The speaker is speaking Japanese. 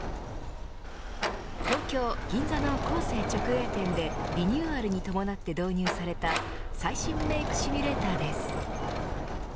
東京、銀座のコーセー直営店でリニューアルに伴って導入された最新メイクシミュレーターです。